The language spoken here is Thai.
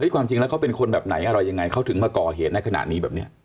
ความจริงแล้วเขาเป็นคนแบบไหนอะไรยังไงเขาถึงมาก่อเหตุในขณะนี้แบบนี้